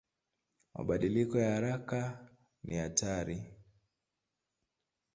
Mabadiliko ya haraka ni hatari.